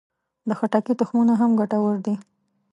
د خټکي تخمونه هم ګټور دي.